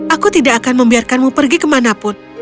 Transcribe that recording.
aku tidak akan membiarkanmu pergi kemanapun